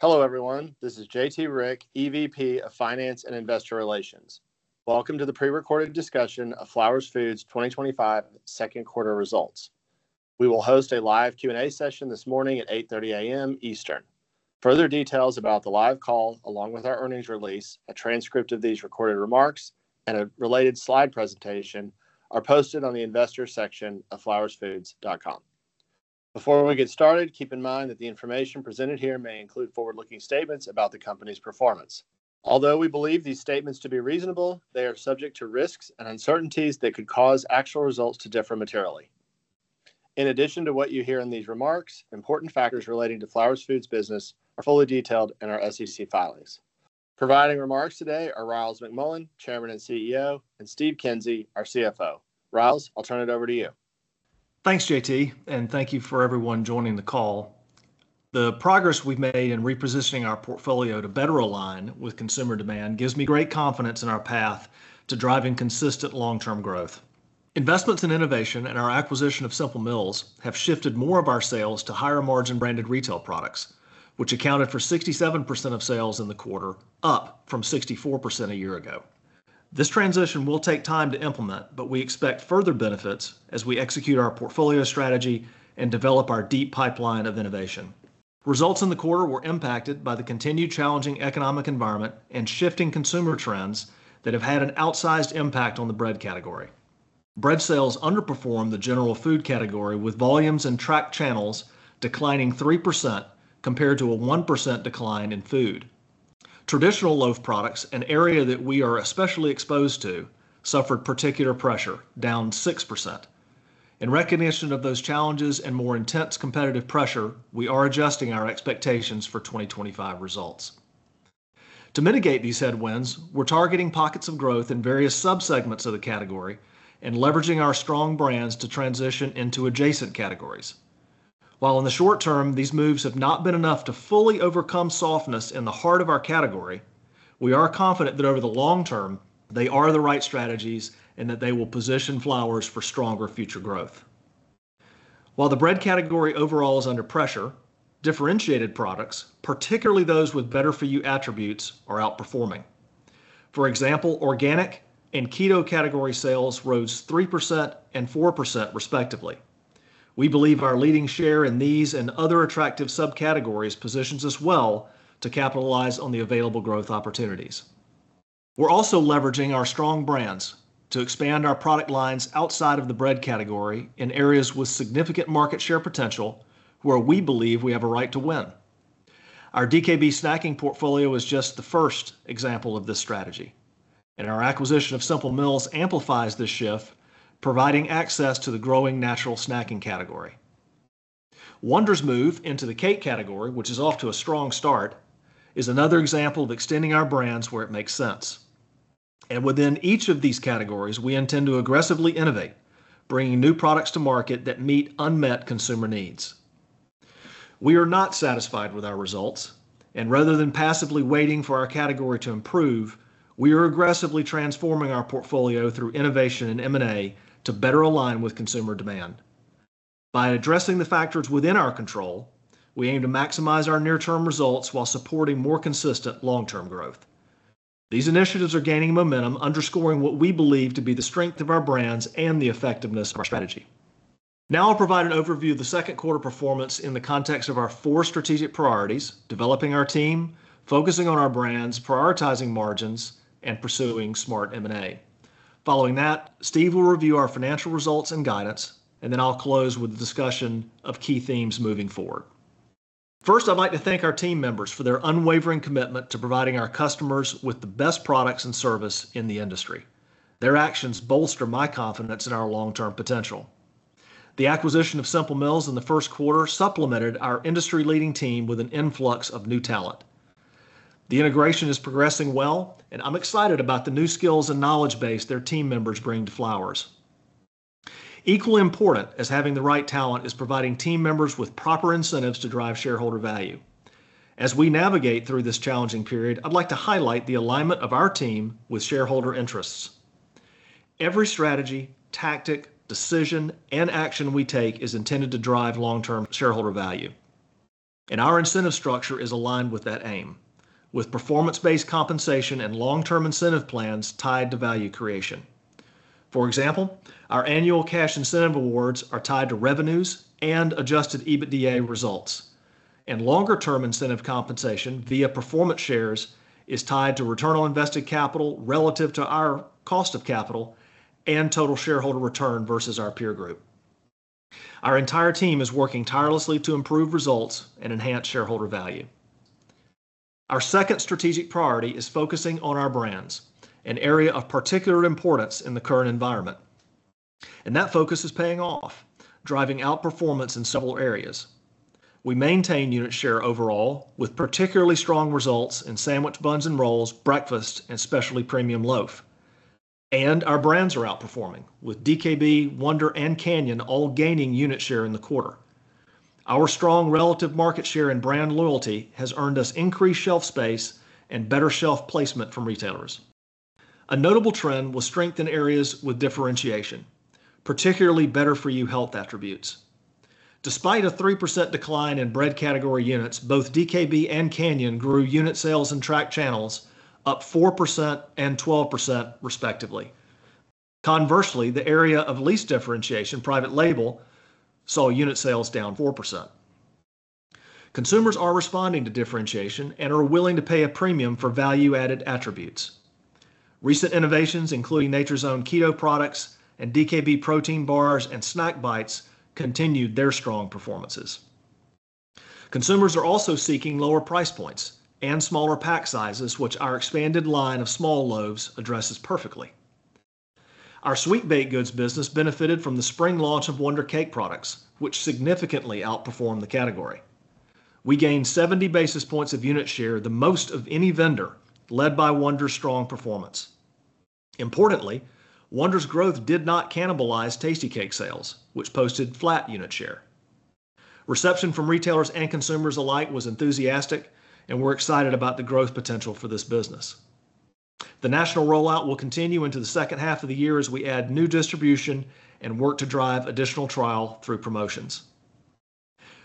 Hello, everyone. This is J.T. Rieck, EVP of Finance and Investor Relations. Welcome to the prerecorded discussion of Flowers Foods 2025 Second Quarter Results. We will host a live Q&A session this morning at 8:30 A.M. Eastern. Further details about the live call, along with our earnings release, a transcript of these recorded remarks, and a related slide presentation are posted on the Investor section of flowersfoods.com. Before we get started, keep in mind that the information presented here may include forward-looking statements about the company's performance. Although we believe these statements to be reasonable, they are subject to risks and uncertainties that could cause actual results to differ materially. In addition to what you hear in these remarks, important factors relating to Flowers Foods' business are fully detailed in our SEC filings. Providing remarks today are Ryals McMullian, Chairman and CEO, and Steve Kinsey, our CFO. Ryals, I'll turn it over to you. Thanks, J.T, and thank you for everyone joining the call. The progress we've made in repositioning our portfolio to better align with consumer demand gives me great confidence in our path to driving consistent long-term growth. Investments in innovation and our acquisition of Simple Mills have shifted more of our sales to higher margin branded retail products, which accounted for 67% of sales in the quarter, up from 64% a year ago. This transition will take time to implement, but we expect further benefits as we execute our portfolio strategy and develop our deep pipeline of innovation. Results in the quarter were impacted by the continued challenging economic environment and shifting consumer trends that have had an outsized impact on the bread category. Bread sales underperformed the general food category with volumes in track channels declining 3% compared to a 1% decline in food. Traditional loaf products, an area that we are especially exposed to, suffered particular pressure, down 6%. In recognition of those challenges and more intense competitive pressure, we are adjusting our expectations for 2025 results. To mitigate these headwinds, we're targeting pockets of growth in various subsegments of the category and leveraging our strong brands to transition into adjacent categories. While in the short-term, these moves have not been enough to fully overcome softness in the heart of our category, we are confident that over the long term, they are the right strategies and that they will position Flowers Foods for stronger future growth. While the bread category overall is under pressure, differentiated products, particularly those with better for you attributes, are outperforming. For example, organic and keto category sales rose 3% and 4% respectively. We believe our leading share in these and other attractive subcategories positions us well to capitalize on the available growth opportunities. We're also leveraging our strong brands to expand our product lines outside of the bread category in areas with significant market share potential where we believe we have a right to win. Our DKB snacking portfolio is just the first example of this strategy, and our acquisition of Simple Mills amplifies this shift, providing access to the growing natural snacking category. Wonder's move into the cake category, which is off to a strong start, is another example of extending our brands where it makes sense. Within each of these categories, we intend to aggressively innovate, bringing new products to market that meet unmet consumer needs. We are not satisfied with our results, and rather than passively waiting for our category to improve, we are aggressively transforming our portfolio through innovation and M&A to better align with consumer demand. By addressing the factors within our control, we aim to maximize our near-term results while supporting more consistent long-term growth. These initiatives are gaining momentum, underscoring what we believe to be the strength of our brands and the effectiveness of our strategy. Now I'll provide an overview of the second quarter performance in the context of our four strategic priorities: developing our team, focusing on our brands, prioritizing margins, and pursuing smart M&A. Following that, Steve will review our financial results and guidance, and then I'll close with a discussion of key themes moving forward. First, I'd like to thank our team members for their unwavering commitment to providing our customers with the best products and service in the industry. Their actions bolster my confidence in our long-term potential. The acquisition of Simple Mills in the first quarter supplemented our industry-leading team with an influx of new talent. The integration is progressing well, and I'm excited about the new skills and knowledge base their team members bring to Flowers Foods. Equally important as having the right talent is providing team members with proper incentives to drive shareholder value. As we navigate through this challenging period, I'd like to highlight the alignment of our team with shareholder interests. Every strategy, tactic, decision, and action we take is intended to drive long-term shareholder value, and our incentive structure is aligned with that aim, with performance-based compensation and long-term incentive plans tied to value creation. For example, our annual cash incentive awards are tied to revenues and adjusted EBITDA results, and longer-term incentive compensation via performance shares is tied to return on invested capital relative to our cost of capital and total shareholder return versus our peer group. Our entire team is working tirelessly to improve results and enhance shareholder value. Our second strategic priority is focusing on our brands, an area of particular importance in the current environment, and that focus is paying off, driving outperformance in several areas. We maintain unit share overall, with particularly strong results in sandwich buns and rolls, breakfast, and especially premium loaf. Our brands are outperforming, with DKB, Wonder, and Canyon all gaining unit share in the quarter. Our strong relative market share and brand loyalty have earned us increased shelf space and better shelf placement from retailers. A notable trend was strength in areas with differentiation, particularly better for you health attributes. Despite a 3% decline in bread category units, both DKB and Canyon grew unit sales in track channels, up 4% and 12% respectively. Conversely, the area of least differentiation, private label, saw unit sales down 4%. Consumers are responding to differentiation and are willing to pay a premium for value-added attributes. Recent innovations, including Nature's Own Keto products and DKB Protein Bars and Snack Bites, continued their strong performances. Consumers are also seeking lower price points and smaller pack sizes, which our expanded line of small loaves addresses perfectly. Our sweet baked goods business benefited from the spring launch of Wonder Cake products, which significantly outperformed the category. We gained 70 basis points of unit share, the most of any vendor, led by Wonder's strong performance. Importantly, Wonder's growth did not cannibalize Tasty Cake sales, which posted flat unit share. Reception from retailers and consumers alike was enthusiastic, and we're excited about the growth potential for this business. The national rollout will continue into the second half of the year as we add new distribution and work to drive additional trial through promotions.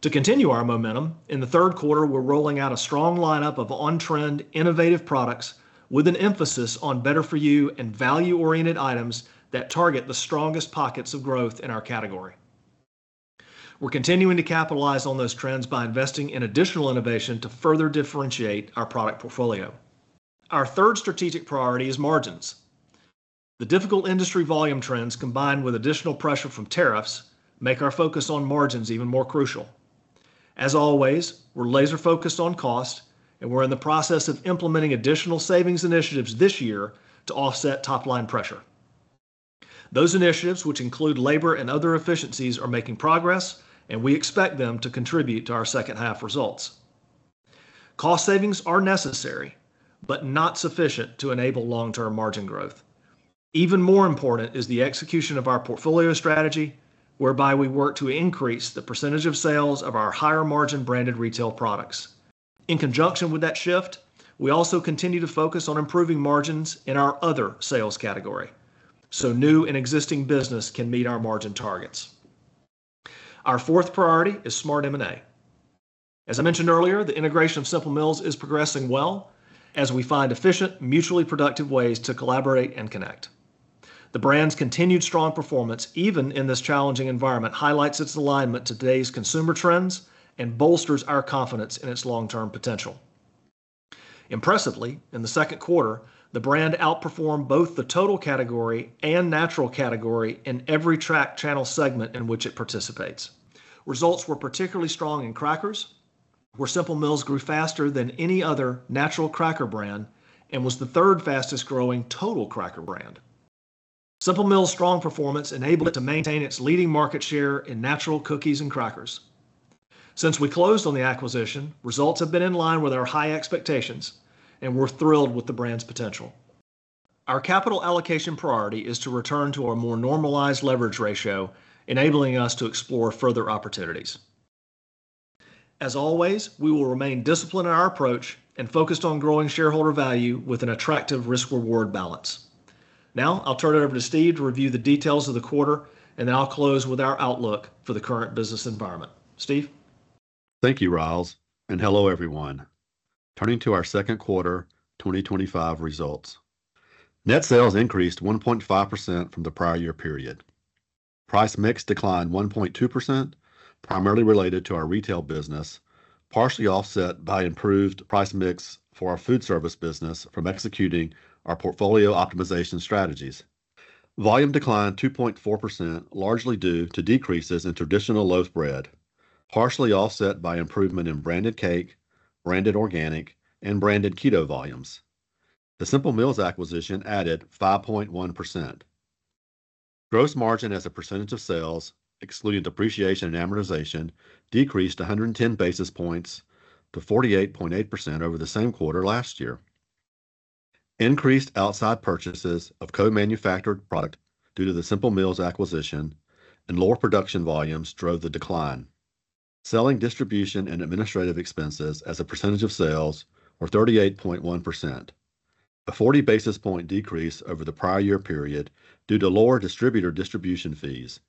To continue our momentum, in the third quarter, we're rolling out a strong lineup of on-trend innovative products with an emphasis on better for you and value-oriented items that target the strongest pockets of growth in our category. We're continuing to capitalize on those trends by investing in additional innovation to further differentiate our product portfolio. Our third strategic priority is margins. The difficult industry volume trends, combined with additional pressure from tariffs, make our focus on margins even more crucial. As always, we're laser-focused on cost, and we're in the process of implementing additional savings initiatives this year to offset top-line pressure. Those initiatives, which include labor and other efficiencies, are making progress, and we expect them to contribute to our second half results. Cost savings are necessary, but not sufficient to enable long-term margin growth. Even more important is the execution of our portfolio strategy, whereby we work to increase the percentage of sales of our higher margin branded retail products. In conjunction with that shift, we also continue to focus on improving margins in our other sales category, so new and existing business can meet our margin targets. Our fourth priority is smart M&A. As I mentioned earlier, the integration of Simple Mills is progressing well, as we find efficient, mutually productive ways to collaborate and connect. The brand's continued strong performance, even in this challenging environment, highlights its alignment to today's consumer trends and bolsters our confidence in its long-term potential. Impressively, in the second quarter, the brand outperformed both the total category and natural category in every track channel segment in which it participates. Results were particularly strong in crackers, where Simple Mills grew faster than any other natural cracker brand and was the third fastest growing total cracker brand. Simple Mills' strong performance enabled it to maintain its leading market share in natural cookies and crackers. Since we closed on the acquisition, results have been in line with our high expectations, and we're thrilled with the brand's potential. Our capital allocation priority is to return to a more normalized leverage ratio, enabling us to explore further opportunities. As always, we will remain disciplined in our approach and focused on growing shareholder value with an attractive risk-reward balance. Now I'll turn it over to Steve to review the details of the quarter, and then I'll close with our outlook for the current business environment. Steve? Thank you, Ryals, and hello everyone. Turning to our second quarter 2025 results. Net sales increased 1.5% from the prior year period. Price mix declined 1.2%, primarily related to our retail business, partially offset by improved price mix for our food service business from executing our portfolio optimization strategies. Volume declined 2.4%, largely due to decreases in traditional loaf bread, partially offset by improvement in branded cake, branded organic, and branded keto volumes. The Simple Mills acquisition added 5.1%. Gross margin as a percentage of sales, excluding depreciation and amortization, decreased 110 basis points to 48.8% over the same quarter last year. Increased outside purchases of co-manufactured products due to the Simple Mills acquisition and lower production volumes drove the decline. Selling, distribution, and administrative expenses as a percentage of sales were 38.1%, a 40 basis point decrease over the prior year period due to lower distributor distribution fees,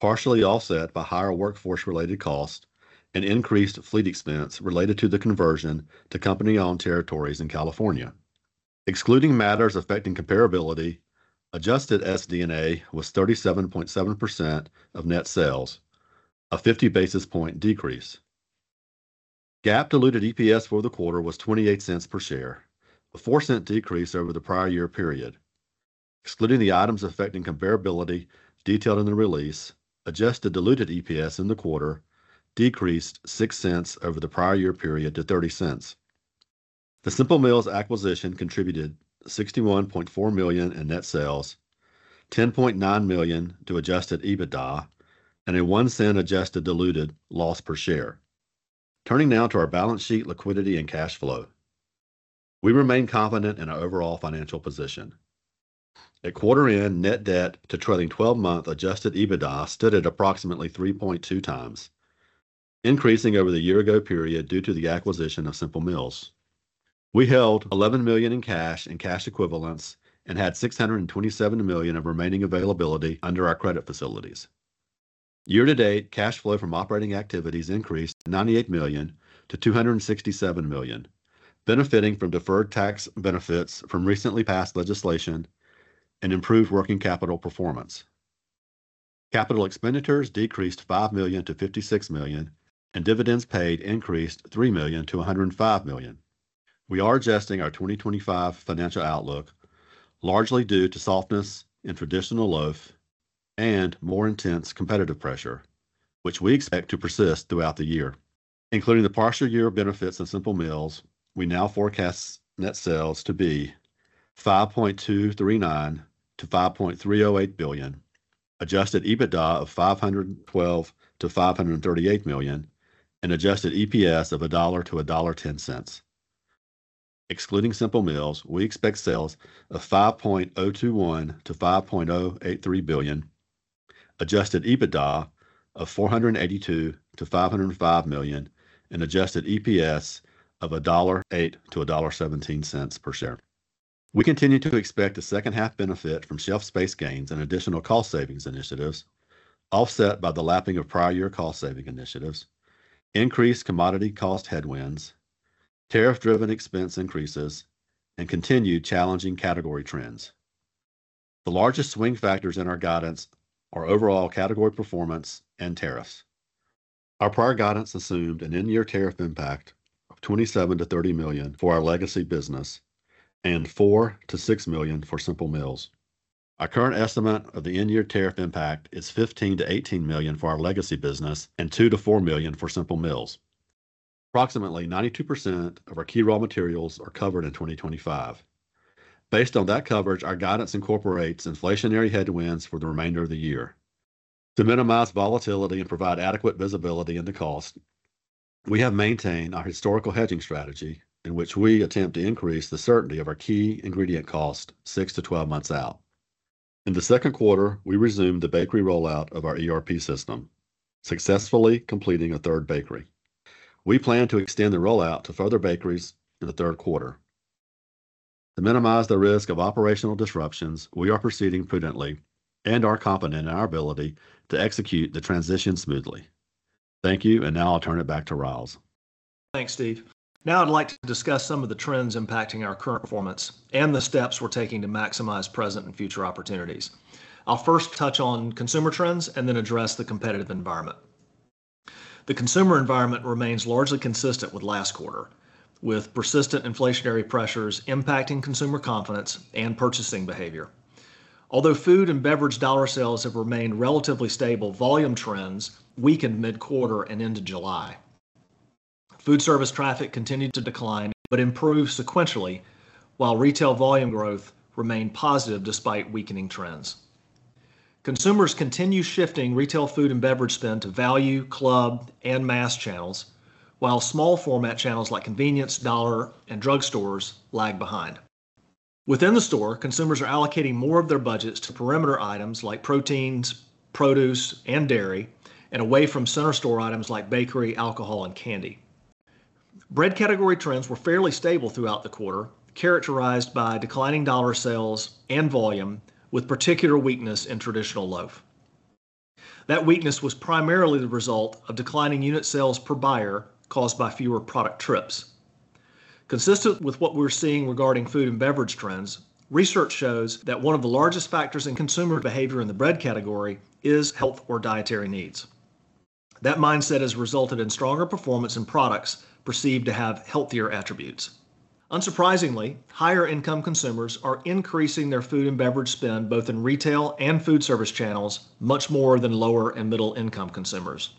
partially offset by higher workforce-related costs and increased fleet expense related to the conversion to company-owned territories in California. Excluding matters affecting comparability, adjusted SD&A was 37.7% of net sales, a 50 basis point decrease. GAAP diluted EPS for the quarter was $0.28 per share, a $0.04 decrease over the prior year period. Excluding the items affecting comparability detailed in the release, adjusted diluted EPS in the quarter decreased $0.06 over the prior year period to $0.30. The Simple Mills acquisition contributed $61.4 million in net sales, $10.9 million to adjusted EBITDA, and a $0.01 adjusted diluted loss per share. Turning now to our balance sheet, liquidity, and cash flow. We remain confident in our overall financial position. At quarter-end, net debt to trailing 12-month adjusted EBITDA stood at approximately 3.2 times, increasing over the year-ago period due to the acquisition of Simple Mills. We held $11 million in cash and cash equivalents and had $627 million of remaining availability under our credit facilities. Year-to-date cash flow from operating activities increased $98 million-$267 million, benefiting from deferred tax benefits from recently passed legislation and improved working capital performance. Capital expenditures decreased $5 million-$56 million, and dividends paid increased $3 million-$105 million. We are adjusting our 2025 financial outlook, largely due to softness in traditional loaf and more intense competitive pressure, which we expect to persist throughout the year. Including the partial year of benefits in Simple Mills, we now forecast net sales to be $5.239 million-$5.308 billion, adjusted EBITDA of million-$538 million, and adjusted EPS of $1.00-$1.10. Excluding Simple Mills, we expect sales of $5.021 billion-$5.083 billion, adjusted EBITDA of $482 million-$505 million, and adjusted EPS of $1.08-$1.17 per share. We continue to expect the second half benefit from shelf space gains and additional cost savings initiatives, offset by the lapping of prior year cost saving initiatives, increased commodity cost headwinds, tariff-driven expense increases, and continued challenging category trends. The largest swing factors in our guidance are overall category performance and tariffs. Our prior guidance assumed an end-year tariff impact of $27 million-$30 million for our legacy business and $4 million-$6 million for Simple Mills. Our current estimate of the end-year tariff impact is $15 million-$18 million for our legacy business and million-$4 million for Simple Mills. Approximately 92% of our key raw materials are covered in 2025. Based on that coverage, our guidance incorporates inflationary headwinds for the remainder of the year. To minimize volatility and provide adequate visibility into cost, we have maintained our historical hedging strategy, in which we attempt to increase the certainty of our key ingredient cost 6-12 months out. In the second quarter, we resumed the bakery rollout of our ERP system, successfully completing a third bakery. We plan to extend the rollout to further bakeries in the third quarter. To minimize the risk of operational disruptions, we are proceeding prudently and are confident in our ability to execute the transition smoothly. Thank you, and now I'll turn it back to Ryals. Thanks, Steve. Now I'd like to discuss some of the trends impacting our current performance and the steps we're taking to maximize present and future opportunities. I'll first touch on consumer trends and then address the competitive environment. The consumer environment remains largely consistent with last quarter, with persistent inflationary pressures impacting consumer confidence and purchasing behavior. Although food and beverage dollar sales have remained relatively stable, volume trends weakened mid-quarter and into July. Food service traffic continued to decline but improved sequentially, while retail volume growth remained positive despite weakening trends. Consumers continue shifting retail food and beverage spend to value, club, and mass channels, while small format channels like convenience, dollar, and drugstores lag behind. Within the store, consumers are allocating more of their budgets to perimeter items like proteins, produce, and dairy, and away from center store items like bakery, alcohol, and candy. Bread category trends were fairly stable throughout the quarter, characterized by declining dollar sales and volume, with particular weakness in traditional loaf. That weakness was primarily the result of declining unit sales per buyer caused by fewer product trips. Consistent with what we're seeing regarding food and beverage trends, research shows that one of the largest factors in consumer behavior in the bread category is health or dietary needs. That mindset has resulted in stronger performance in products perceived to have healthier attributes. Unsurprisingly, higher income consumers are increasing their food and beverage spend, both in retail and food service channels, much more than lower and middle income consumers.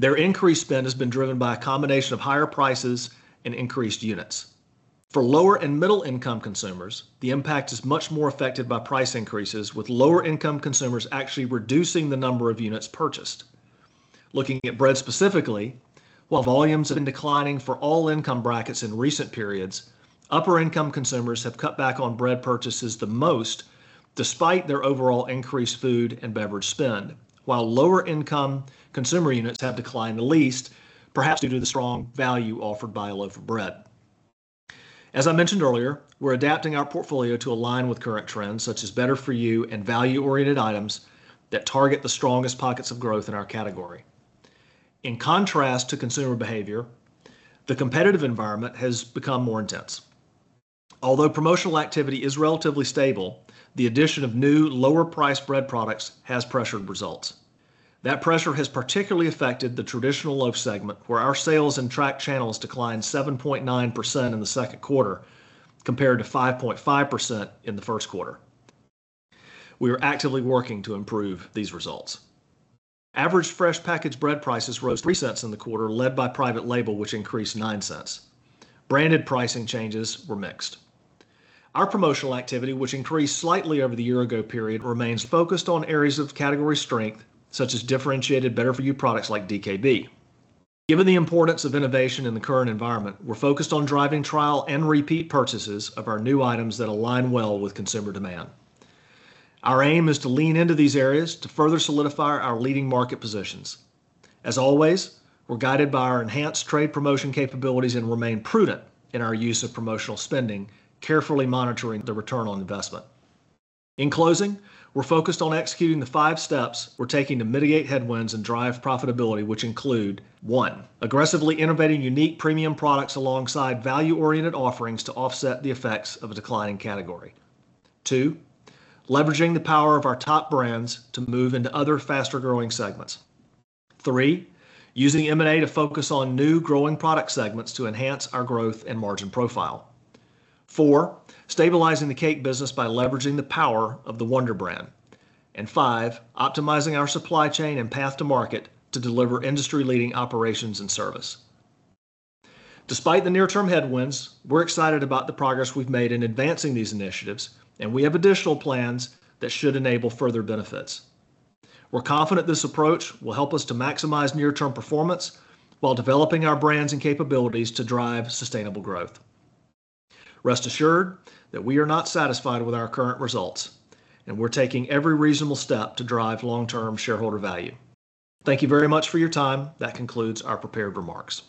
Their increased spend has been driven by a combination of higher prices and increased units. For lower and middle income consumers, the impact is much more affected by price increases, with lower income consumers actually reducing the number of units purchased. Looking at bread specifically, while volumes have been declining for all income brackets in recent periods, upper income consumers have cut back on bread purchases the most despite their overall increased food and beverage spend, while lower income consumer units have declined the least, perhaps due to the strong value offered by a loaf of bread. As I mentioned earlier, we're adapting our portfolio to align with current trends, such as better-for-you and value-oriented items that target the strongest pockets of growth in our category. In contrast to consumer behavior, the competitive environment has become more intense. Although promotional activity is relatively stable, the addition of new lower-priced bread products has pressured results. That pressure has particularly affected the traditional loaf segment, where our sales in track channels declined 7.9% in the second quarter compared to 5.5% in the first quarter. We are actively working to improve these results. Average fresh packaged bread prices rose $0.03 in the quarter, led by private label, which increased $0.09. Branded pricing changes were mixed. Our promotional activity, which increased slightly over the year-ago period, remains focused on areas of category strength, such as differentiated better-for-you products like DKB. Given the importance of innovation in the current environment, we're focused on driving trial and repeat purchases of our new items that align well with consumer demand. Our aim is to lean into these areas to further solidify our leading market positions. As always, we're guided by our enhanced trade promotion capabilities and remain prudent in our use of promotional spending, carefully monitoring the return on investment. In closing, we're focused on executing the five steps we're taking to mitigate headwinds and drive profitability, which include: one, aggressively innovating unique premium products alongside value-oriented offerings to offset the effects of a declining category; two, leveraging the power of our top brands to move into other faster-growing segments; three, using M&A to focus on new growing product segments to enhance our growth and margin profile; four, stabilizing the cake business by leveraging the power of the Wonder brand; and five, optimizing our supply chain and path to market to deliver industry-leading operations and service. Despite the near-term headwinds, we're excited about the progress we've made in advancing these initiatives, and we have additional plans that should enable further benefits. We're confident this approach will help us to maximize near-term performance while developing our brands and capabilities to drive sustainable growth. Rest assured that we are not satisfied with our current results, and we're taking every reasonable step to drive long-term shareholder value. Thank you very much for your time. That concludes our prepared remarks.